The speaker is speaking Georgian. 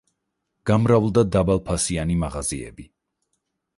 გამრავლდა დაბალფასიანი მაღაზიები.